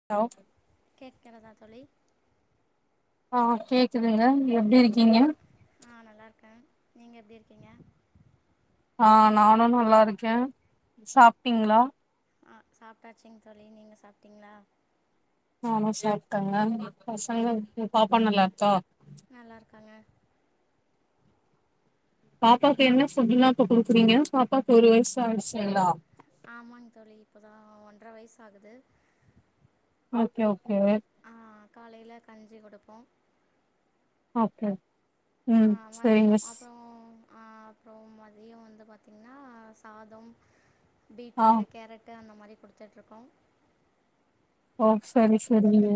[unintelligible] கேக்கிறதா தோழி ஆ கேக்குதுங்க எப்டி இருக்கீங்க ஆ நல்லா இருக்கே நீங்க எப்டி இருக்கீங்க ஆ நானு நல்லா இருக்கே சாப்ட்டீங்களா ஆ சாப்ட்டாச்சுங்க தோழி நீங்க சாப்ட்டீங்களா நானு சாப்ட்டேங்க பசங்க பாப்பா நல்லா இருக்கா நல்லா இருக்காங்க பாப்பாவுக்கு என்ன ஃபுட்லா இப்ப குடுக்குறீங்க பாப்பாக்கு ஒரு வயசு ஆயிடுச்சுங்களா ஆமாங் தோழி இப்ப தா ஒன்றர வயசு ஆகுது ஓகே ஓகே ஆ காலைல கஞ்சி குடுப்போ ஓகே ஆ, ம் சரிங்க மதியம் சிஸ் அப்புறம் ஆ அப்றோ மதியோ வந்து பாத்தீங்கன்னா சாதம் ஆ பீட்ரூட்டு கேரட்டு அந்த மாரி குடுத்துட்டு்ருக்கோ ஓ சரி சரிங்க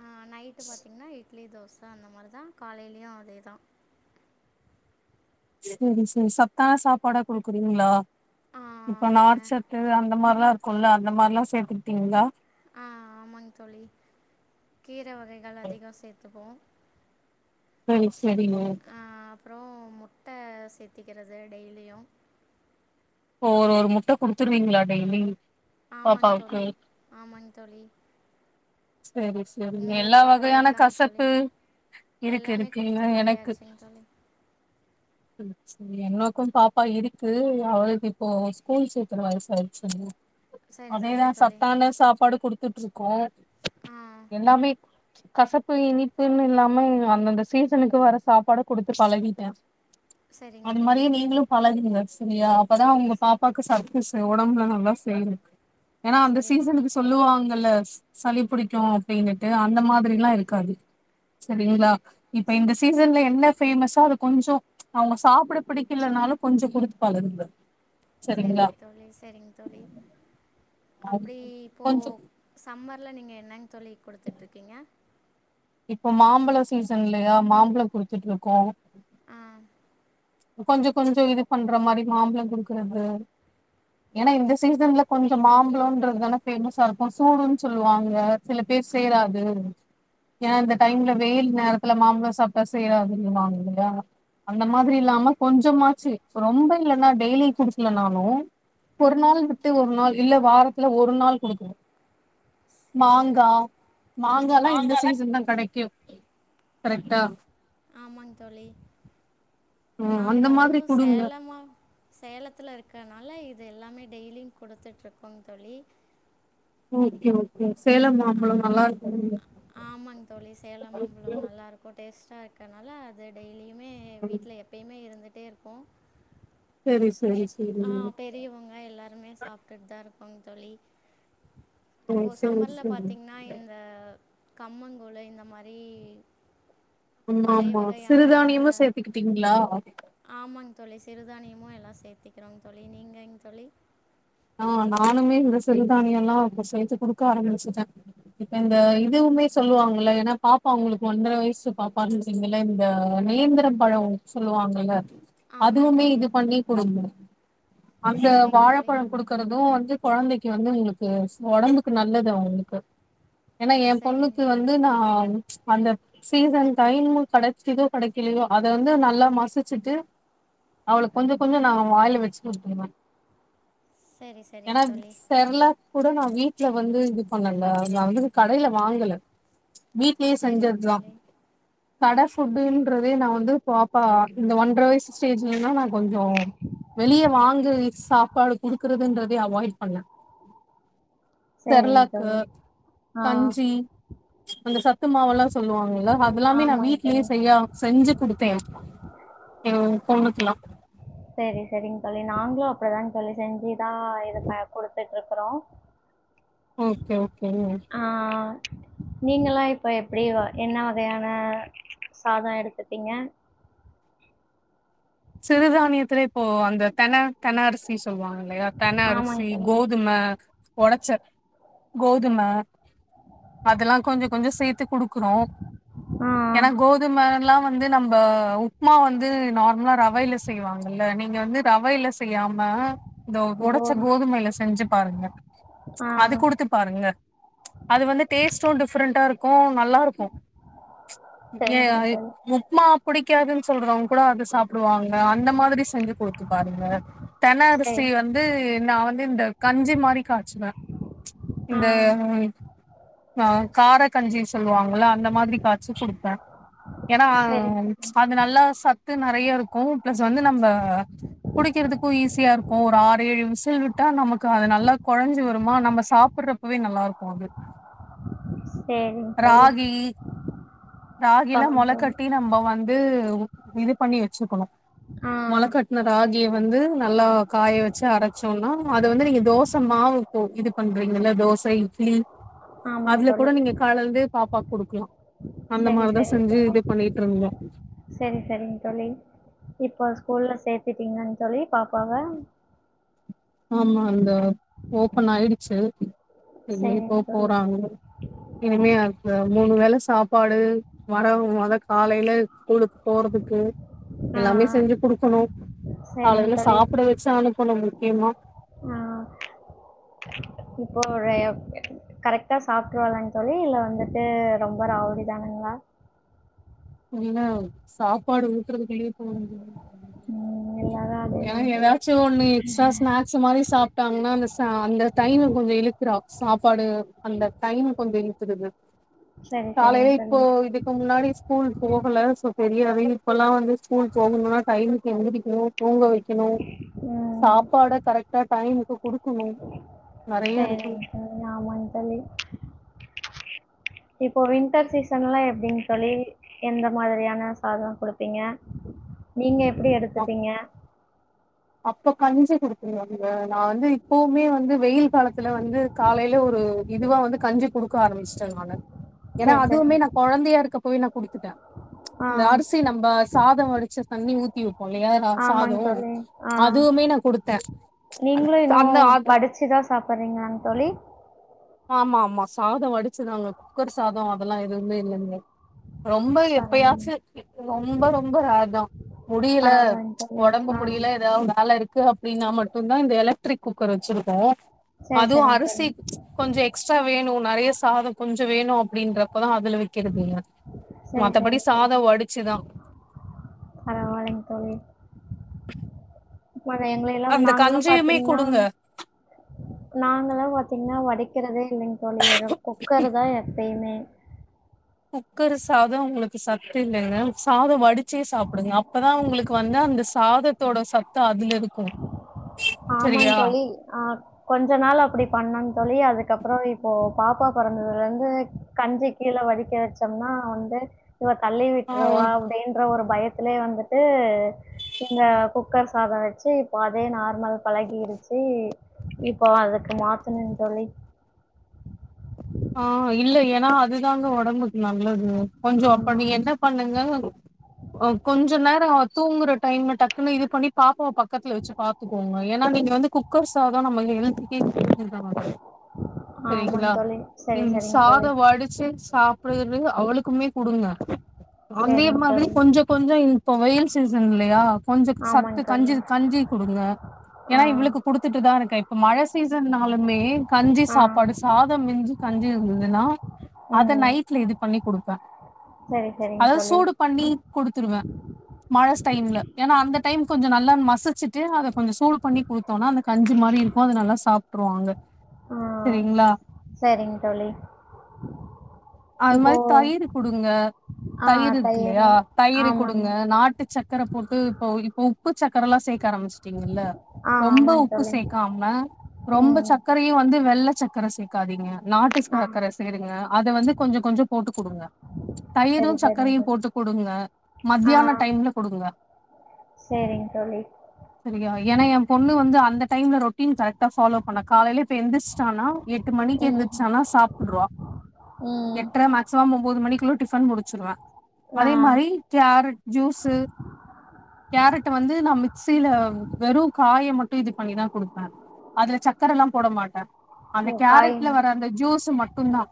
ஆ நைட்டு பாத்தீங்கன்னா இட்லி தோச அந்த மாரி தா காலைலியு அதேதா சேரி சேரி சத்தான சாப்பாடா குடுக்குறீங்ளா ஆ, இப்ப ஆமாங்க நார்ச்சத்து அந்த மாரிலா இருக்குல்ல அந்த மாரிலா சேத்துகிட்டீங்ளா ஆ ஆமாங் தோழி கீர வகைகள் அதிக சேர்த்துப்போ சரி செரிங்க ப்றோ முட்ட சேத்திக்கிறது டெய்லியு ஒரு ஒரு குடுத்துருவிங்ளா டெய்லி ஆமாங் பாப்பாவுக்கு தோழி ஆமாங் தோழி சேரி சே உங்களுக்கு எல்லா பாப்பா வகையான இருக்காங் தோழி கசப்பு இருக்கு எல்லாமே இருக்கு குடுத்து எனக்கு பழயாச்சுங் தோழி ம் செர் என்னோக்கும் பாப்பா இருக்கு அவளுக்கு இப்போ ஸ்கூல் சேக்கற வயசாச்சு சரி அதேதா சரிங் தோழி சத்தான சாப்பாடு குடுத்துட்ருக்கோ ஆ எல்லாமே கசப்பு இனிப்புன்னு இல்லாம அந்தந்த சீசனுக்கு வர சாப்பாட குடுத்து பழகிட்டே சரிங் அது தோழி மாரியே நீங்களு பழகுங்க சரியா அப்பதா உங்க பாப்பாக்கு சத் துஸ் ஒடம்புல நல்லா சேரு ஏனா அந்த சரிங் தோ சீசனுக்கு சொல்லுவாங்கல்ல சளி புடிக்கு அப்டினுட்டு அந்த மாதிரில்லா இருக்காது சரிங்ளா இப்ப இந்த சீசன்ல என்ன ஃபேமஸா அத கொஞ்சோ அவங்க சாப்ட பிடிக்கலனாலு கொஞ்ச குடுத்து பழகுங்க சரிங்களா செரிங் தோழி செரிங் தோழி அப்டி இப்போ கொஞ்சோ சம்மர்ல நீங்க என்னங் தோழி குடுத்துட்ரிக்கீங்க இப்போ மாம்பழ சீசன்லயா மாம்பழ குடுத்துட்ருக்கோ ஆ கொஞ்ச கொஞ்ச இது பண்ற மாரி மாம்பழ குடுக்றது ஏனா இந்த சீசன்ல கொஞ்ச மாம்பழன்றதுதான ஃபேமஸா இருக்கு சூடுனு சொல்லுவாங்க சில பேர் சேறாது ஏனா இந்த ஆ டைம்ல வெயில் நேரத்துல மாம்பழ சாப்டா சேறாதுனுவாங்க இல்லயா மாதிரி ஆமாங் தோழி இல்லாம கொஞ்சமாச்சு ரொம்ப இல்லன்னா டெய்லி குடுக்ல நாளு ஒரு நாள் விட்டு ஒரு நாள் இல்ல வாரத்துல ஒரு நாள் குடுக்கனு சரிங் மாங்கா தோழி மாங்கால்லா இந்த நாங்கலா சீசன் தா கடைக்கு கரெக்டா ஆமாங் தோழி ம் நாங்க அந்த மாதிரி அதுவு குடுங்க சேலமா சேலத்ல இருக்கனால இது எல்லாமே டெய்லியு குடுத்துட்ருக்கோ தோழி ஓகே ஓகே சேலம் மாம்பழம் நல்லாருக்கு ஆமாங் தோழி சேலம் மாம்பழோ நல்லாருக்கு டேஸ்ட்டா இருக்கனால அது டெய்லியுமே வீட்ல எப்பயுமே இருந்துட்டே இருக்கூ செரி செரி செரி ஆ பெரியவங்க எல்லாருமே சாப்ட்டுட் தா இருக்கோங் தோழி ஓ இப்போ செரி சம்மர்ல செரி பாத்தீங்கன்னா இந்த கம்மங்கூழு இந்த மாரி ஆமா ஆமா சிறுதானியமு சேத்துக்கிட்டீங்களா ஆமாங் தோழி சிறுதானியமு எல்லா சேத்திக்கிறோ தோழி நீங்கங் தோழி ஆ நானுமே இந்த சிறுதானிய எல்லா சேத்து குடுக்க ஆரம்பிச்சுட்டே இப்ப இந்த இதுவுமே சொல்லுவாங்கல்ல ஏன்னா பாப்பா உங்களுக்கு ஒன்றரை வயசு பாப்பானு இல்ல இந்த நேந்தர பழம் சொல்லுவாங்கள ஆமாங்க அதுவுமே தோழி இது பண்ணி குடுங்க அந்த சரிங்க தோழி வாழைப்பழம் குடுக்கறதும் வந்து கொழந்தைக்கி வந்து எஸ் ஒடம்புக்கு நல்லது அவுங்களுக்கு ஏன்னா எ பொண்ணுக்கு சரிங்க வந் வந்து நா அந்த சீசன் டைமூ கெடைச்சுதோ கெடைக்கலையோ அத வந்து நல்லா மசிச்சுட்டு அவுளுக்கு கொஞ்சகொஞ்ச நா வாயில வச்சுட்டு விட்டுருவே சரி சரிங்க ஏன்னா தோழி செர்லக் கூட நா வீட்ல வந்து இது பண்ணல நா வந்து கடையில வாங்கல வீட்லயே சரிங்க செஞ்சதுதா தோழி கடை ஃபுட்டுன்றதே நா வந்து பாப்பா இந்த ஒன்றரை வயசு ஸ்டேஜ்லன்னா நா கொஞ்சோ வெளிய வாங்கு சாப்பாடு குடுக்கறதுன்றதே அவாய்ட் பண்ண செரிங்க தோழி ஆ கஞ்சி அந்த சத்து மாவுல்லா சொல்லுவாங்கல்ல அதெல்லாமே நா ஆமாங்க வீட்லயே தோழி செய்யா செஞ்சு குடுத்தே என் பொண்ணுக்கெல்லா செரி செரிங்க தோழி நாங்களும் அப்டிதா தோழி செஞ்சுதா இது குடுத்துட்டு இருக்குறோம் ஓகே ஓகேங்க நீங்கல்லா இப்ப எப்டி ஆ என்ன வகையான சாதம் எடுத்துட்டீங்க சிறுதானியத்தில ஓ அந்த தென தென அரிசி சொல்லுவாங்க இல்லையா தென ஆமாங்க அரிசி தோழி கோதும ஒடச்ச கோதும அதெல்லா கொஞ்சோ கொஞ்சோ சேத்து குடுக்குறோம் ஆ ஏன்னா கோத் அது மாரில்லா வந்து நம்ப உப்மா வந்து நார்மலா ர ரவைல செய்வாங்கல்ல நீங்க வந்து ரவையில செய்யாம இந்த ஒடைச்ச கோது கோதுமையில செஞ்சு பாருங்க ஆ அது குடுத்து பாருங்க அது வந்து டேஸ்ட்டும் டிஃப்ரெண்டா இருக்கும் நல்லா இருக்கோ ஏ சரிங்க தோழி உப்மா புடிக்காதுன்னு சொல்றவங்க கூட அத சாப் டுவாங்க அந்த மாதிரி செஞ்சு குடுத்து பாருங்க சரி வந்து நா வந்து இந்த கஞ்சி மாரி காய்ச்சுவே ஆ இந்த உ ஆ கார கஞ்சி சொல்லுவாங்கல்ல அந்த மாதிரி காய்ச்சி குடுப்பே ஏன்னா சரிங்க தோழி அ அது நல்லா சத்து நெறைய இருக்கும் பிளஸ் வந்து நம்ப குடிக்கிறதுக்கும் ஈஸியா இருக்கும் ஒரு ஆறு ஏழு விசில் விட்டா நமக்கு அது நல்லா கொலஞ்சு வருமா நம்ப சாப் ப்புறப்பவே நல்லா இருக்கும் அது சரிங்க தோழி ராகி ராகில கம்மி தோழி மொளக்கட்டி நம்ப வந் ந்து இது பண்ணி வச்சுக்கணும் ஆ மொளகட்ன ராகிய வந்து நல்லா காய வச்சு அரச் ச்சோன்னா அத வந்து நீங்க தோச மாவு போ இது பண்றீங்கல்ல தோச இட்லி ஆமாங்க அதுல கூட தோழி நீங்க கலந்து பாப்பாக்கு குடுக்கலா அந்த சரி மாரிதா செஞ்சு இது பண்ணிட்டு இருந்தோ செரி செரிங்க தோழி இப்ப ஸ்கூல்ல சேத்துட்டீங்களா தோழி பாப்பாவ ஆமா இந்த ஓபன் ஆயிடுச்சு எங்க இப்போ சரிங்க தோழி போறாங்களோ இனிமே அது மூணு வேல சாப்பாடு வரவு மொத காலையில ஸ்கூலுக்கு போறதுக்கு ஆ, எல்லாமே செஞ்சு குடுக்கணு சரிங்க காலையில சாப்பட வச்சு அனுப்பணு முக்கியமா ம் இப்போ [unintelligible] கரெக்ட்டா சாப்புட்ருவாலாங் தோழி இல்ல வந்துட்டு ரொம்ப ராவடி தானுங்களா இல்லினா சாப்பாடு ஊட்டறதுக்குள்ளயே போதும் [unintelligible] ம், எல்லாரும் அதே ஏன் தாங்க எதா தோழி ச்சு ஒண்ணு எக்ஸ்ட்ரா ஸ்நாக்ஸ்சு மாறி சாப்ட்டாங்கன்னா அந்த சா அந்த டைமு கொஞ்ச இழுக்குற சாப்பாடு அந்த டைம் கொஞ்ச இழுத்துடுது சரி காலையில சரிங்க இப்போ தோழி இதுக்கு முன்னாடி ஸ்கூல் போகல ஸோ தெரியாது இப்போலா வந்து ஸ்கூல் போகணும்னா டைமுக்கு எழுந்திரக்கணு தூங்க வைக்கணு ம் சாப்பாட கரெக்ட்டா டைமுக்கு குடுக்கணு நெறைய இருக்கு செரிங் தோழி ஆமாங் தோழி இப்ப வின்டர் சீசன்லா எப்டிங் தோழி எந்த மாதிரியான சாதம் குடுப்பீங்க நீங்க எப்டி எடுத்துப்பீங்க அப்போ கஞ்சி குடுத்துருவோங்க நா வந்து இப்பவுமே வந்து வெயில் காலத்துல வந்து காலையில ஒரு இதுவா வந்து கஞ்சி குடுக்க ஆரம்பிச்ட நானு ஏன்னா சரி அதுவுமே நா சரிங்க குழந்தையா இருக்கப்போவே நா குடுத்துட்ட ஆ இந்த அரிசி நம்ப சாதோ வடிச்ச தண்ணி ஊத்தி வைப்போயில்லையா சாதோ ஆமாங்க தோழி ஆ அதுவுமே நா குடுத்த அந்த ஆ து சாப்பட்றீங்களா‌ங் தோழி ஆமா ஆமா சாதோ வடிச்சுதாங்க குக்கர் சாதோ அதெல்லா எதுவுமே இல்லங்க ரொம்ப எப்பயாச்சு பரவாயில்லைங்க ரொம்ப ரொம்ப ரேர்தா முடியல பரவாயில்லைங்க தோழி ஒடம்பு ஆ முடியல எத வேல‌ருக் இருக்கு அப்டின்னா மட்டும் தா இந்த எலக்ட்ரிக் குக்கர் வச்சிருக்கோ சரி அதுவு சரிங்க அரிசி தோழி கொஞ்ச எக்ஸ்ட்ரா வேணு நெறைய சாதோ கொஞ்ச வேணு அப்டின்றப்பதா அதுல வைக்கிறதுங்க செரி மத்தபடி செரி சாதோ செரிங்க வடிச்சுதா பரவாலைங் தோழி இப்ப அவ எங்களை எல்லா அந்த நாங்களல்லா கஞ்சியுமே பாத்தீங்கன்னா குடுங்க நாங்கள பாத்தீங்கன்னா வடிக்கிறதே இல்லைங் தோழி வெறும் குக்கரதா எப் பைமே குக்கர் சாதோ உங்களுக்கு சத்து இல்லைங்க சாதோ வடிச்சே சாப்டுங்க அப்பதா உங்களுக் கு வந்து அந்த சாதத்தோட சத்து அதுலருக்கு ஆமாங்க தோழி ஆ கொஞ்ச நாள் அப்படி பண்ணங் தோழி அதுக்கப்பற இப்போ பாப்பா பொறந்ததுலேருந்து கஞ்சி கீழே வடிக்க வச்சோம்னா வந்து இவ தள்ளி ஆ விட்டுருவா ஒ- அப்டின்ற ஒரு பயத் திலயே வந்துட்டு இந்த குக்கர் சாதம் வச்சு இப்போ அதே நார்மல் பழகிருச்சு இப்போ அதுக்கு மாத்தனு தோழி ஆ இல்ல ஏன்னா அது தாங்க ஒடம்புக்கு நல்லது கொஞ்சோ அப்ப ஆமா நீங்க என்ன பண்ணுங்க கொஞ்ச நேர அவ தூங்குற டைம்ல டக்குன்னு இது பண்ணி பாப்பாவ பக்கத்துல வச்சு பாத்துக்கோங்க ஏன்னா நீங்க வந்து குக்கர்ஸ் தா தா நம்ம ஹெல்துக்கே [unintelligible] ஆமாங் தோழி சரி ம் சரிங் தோழி சாதோ வடிச்சு சாப்பட்டுறதுயு அவளுக்குமே குடுங்க அந்தே சரிங் மாதிரி தோழி கொஞ்ச கொஞ்ச இப்ப வெயில் சீசன் இல்லையா கொஞ்ச சத் தத்து ஆமாங் கஞ்சி தோழி கஞ்சி குடுங்க ஆ ஏன்னா இவ்வளுக்கு குடுத்துட்டுதா இருக்க இப்ப மழ சீசன்னாலுமே கஞ்சி ஆ சாப்பாடு சாத மிஞ்சி கஞ்சி இருந்துதுன்னா அத ம் நைட்ல இது பண்ணி குடுப்ப சரி சரிங் அதா தோழி சூடு பண்ணி குடுத்துருவ மழஸ் டைம்ல ஏனா அந்த டைம் கொஞ்சோ நல்லான் மசிச்சிட்டு அத கொஞ்சோ சூடு பண்ணி குடுத்தோனா அந்த கஞ்சி மாரி இருக்கோ அது நல்லா சாப்ட்டுருவாங்க ஓ சரிங்க தோழி அது மாரி இப்போது தயிரு குடுங்க தயிர் இருக்கு இல்லையா தயிரு ஆமாங்க குடுங்க நாட்டு சக் கர போட்டு இப்போ இப்போ உப்பு சக்கரலா சேக்க ஆரமிச்சுட்டீங்கல்ல ஆ ரொம்ப ஆமாங்க உப்பு தோழி சேக்காம ரொம்ப ம் சக் கரையு வந்து வெள்ள சக்கர சேக்காதீங்க நாட்டு ஆ சக்கர சேருங்க அத வந்து கொஞ்சொ கொஞ்சொ போட்டு குடுங்க தயிரு சரி சரிங்க சக்கரையு தோழி போட்டு குடுங்க மத்தியான டைம்ல குடுங்க செரிங் தோழி செரியா ஏன்னா ஏ பொண்ணு வந்து அந்த டைம்ல ரொட் டின் கரெக்டா ஃபாலோ பண்ண காலைல இப்ப எந்திர்ச்டானா எட்டு மணிக்கு ம் எந்திர்ச்சானா சாப்புடுருவா ம் எட்ர மேக்சிமம் ஒம்போது மணிக்குள்ள டிஃபன் முடிச்சிருவ ஆ அதே மாரி கேரட் ஜூஸு கேரட் வந்து நா மிக்சில வெறு காய மட்டு இது பண்ணிதா குடுப்ப அதுல சக்கரல்லா போட மாட்ட அந்த ஓ கேரட்ல வர அந்த ஜூஸு மட்டுந்தா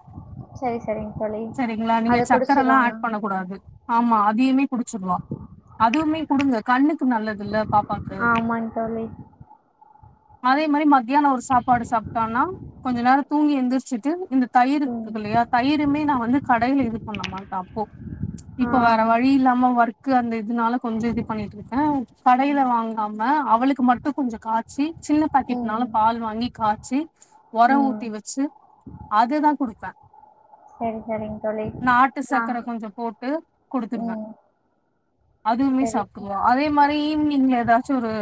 செரி செரிங் தோழி சரிங்களா நீங்க அத சக்கரல்லா குடிச்சிருவாங்க ஆட் பண்ண கூடாது ஆமா அதையுமே குடிச்சிருவா அதுவுமே குடுங்க கண்ணுக்கு நல்லதுல்ல பாப்பா ஆமாங் தோழி அதே மாரி மத்தியானோ ஒரு சாப்பாடு சாப்ட்டான்னா கொஞ்ச நேரோ தூங்கி எந்திரிச்சிட்டு இந்த ம் தயிருக்குதில்லையா தயிருமே நா வந்து கடைல இது பண்ண மாட்ட அப்போ ஆ இப்ப வேற வழி இல்லாம வர் க்கு அந்த இதுனால கொஞ்சோ இது பண்ணிட்ருக்க கடைல வாங் னம்னா அவளுக்கு மட்டு கொஞ்சோ காச்சி சின்ன ம் பாக்கெட்னாலு பால் வாங்கி காச்சி ஒரொ ம் ஊத்தி வச்சு அதுதா குடுப்ப சரி சரிங் நாட்டு சக்கர கொஞ்சோ போட்டு குடுத்துருவ ம் அதுமே சரி சாப்ட்ருவா அதே மாரி ஈவினிங்ல எதாச்சு ஒரு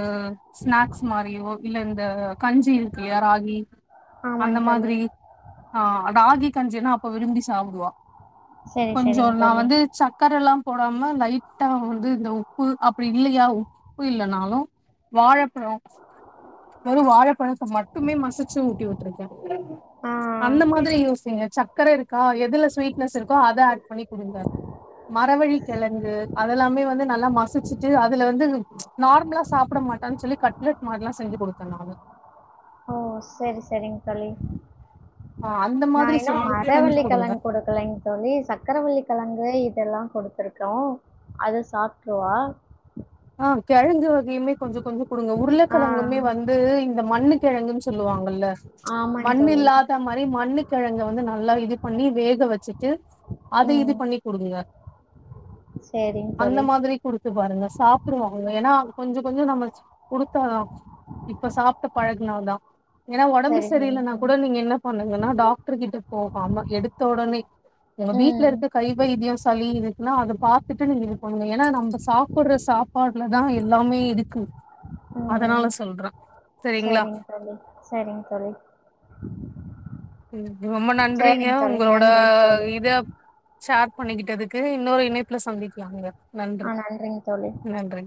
ஸ்நாக்ஸ் மாரியோ இல்ல இந்த கஞ்சி இருக்குல்லயா ராகி அந்த ஆமாங்க தோழி மாதிரி ஆ ராகி கஞ்சினா அப்ப விரும்பி சாப்டுவா சரி கொஞ்சோ சரிங்க நா தோழி வந்து சக் கரலா போடாம லைட்டா வந்து இந்த உப்பு அப்டி இல்லையா உப்பு இல்லனாலு வாழப்பழோ வெறு வாழப்பழத்த மட்டுமே மசிச்சு ஊட்டி வுட்ருக்கே ஆ அந்த மாதிரி யோசிங்க சக்கர இருக்கா எதுல ஸ்வீட்னஸ் இருக்கோ அத ஆட் பண்ணி குடுங்க மரவள்ளிக் கெழங்கு அதெல்லாமே வந்து நல்லா மசிச்சுட்டு அதுல வந்து இது நார்மலா சாப்ட மாட்டான் சொல்லி கட்லட் மாரிலா செஞ்சு குடுப்பே நானு ஒ சரி சரிங் தோழி ஆ அந்த நா மாதிரி இன்னோ செஞ்சு செஞ்சு மரவள்ளி குடுங்க கெழங் கொடுக் கலைங் தோழி சக்கரவள்ளிக்கெழங்கே இதெல்லா கொடுத்துருக்கே அத சாப்ட்ருவா ஆ கெழங்கு வகையுமே கொஞ்சொ கொஞ்சொ குடுங்க ஆ, உருளக்கெழங்குமே வந் து இந்த மண்ணு கெழங்குன் சொல்லுவாங்கள்ல ஆமாங்க மண்ணு தோழி. இல்லாத மாரி மண்ணுக் கிழங்க வந்து நல்லா இது பண்ணி வேக வச்சுட்டு அத இது ம். பண்ணி குடுங்க சரிங்க அந்த தோழி. மாதிரி குடுத்து பாருங்க சாப் படுவாங்க ஏன்னா அது கொஞ்ச கொஞ்ச நம்ம குடுத்தாதா இப்ப சாப்ட்டு பழகுனா தா ஏன்னா உடம்பு சரி, சரிங்க சரியில்லனா தோழி. கூட நீங்க என்னப் பண்ணங்கன்னா டாக்டரு கிட்ட போகாம எடுத்த உடனே எங்க வீட்ல ம், இருக்க கை வைத்தம் சளி இருக்குன்னா அத பார்த்துட்டு நீங்க இப்ப பண்ணுங்க ஏன்னா நம்ம சாப்பிடுற சாப் பாட்ல தா எல்லாமே இருக்கு அதனால சொல்ற சரிங் தோழி சரிங் தோழி ரொம்ப நன்றிங்க சரிங்க தோழி. உங்களோட நன்றிங்க தோழி. இதப் ஷேர் பண்ணிக்கிட்டதுக்கு இன்னொரு இணைப்புல சந்திக்கலாங்க ஆ நன்றி நன்றிங் தோழி நன்றி